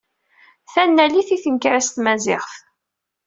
Tannalit i tnekra s tmaziƔt